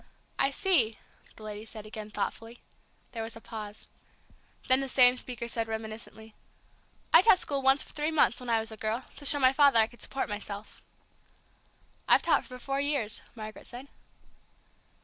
"I see," the lady said again thoughtfully. There was a pause. Then the same speaker said reminiscently, "I taught school once for three months when I was a girl, to show my father I could support myself." "I've taught for four years," Margaret said.